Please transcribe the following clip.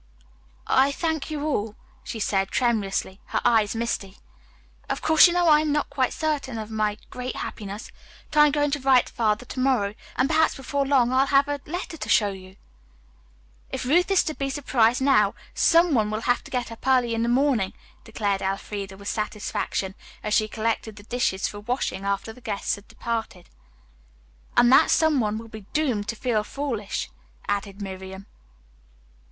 "I thank you all," she said tremulously, her eyes misty. "Of course you know I am not quite certain of my great happiness, but I am going to write to Father to morrow, and perhaps before long I'll have a letter to show you." "If Ruth is to be surprised now, some one will have to get up early in the morning," declared Elfreda with satisfaction, as she collected the dishes for washing after the guests had departed. "And that some one will be doomed to feel foolish," added Miriam.